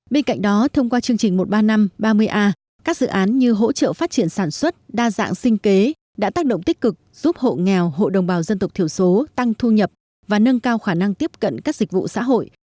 bên cạnh đó thông qua chương trình một mươi ba nghìn năm trăm ba mươi a các dự án như hỗ trợ phát triển sản xuất đa dạng sinh kế đã tác động tích cực giúp hộ nghèo hộ đồng bào dân tộc thiểu số tăng thu nhập và nâng cao khả năng tiếp cận các dịch vụ xã hội